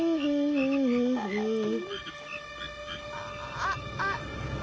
あっあっあ。